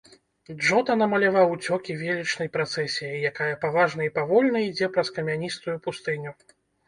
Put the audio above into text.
Джота намаляваў уцёкі велічнай працэсіяй, якая паважна і павольна ідзе праз камяністую пустыню.